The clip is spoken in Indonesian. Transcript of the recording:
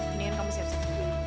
mendingan kamu siap siap